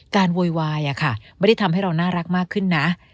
โวยวายไม่ได้ทำให้เราน่ารักมากขึ้นนะ